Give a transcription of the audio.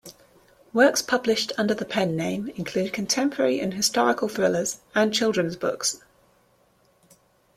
Works published under the pen name include contemporary and historical thrillers, and children's books.